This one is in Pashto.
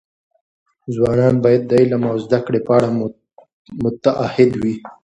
ځوانان باید د علم او زده کړې په اړه متعهد وي.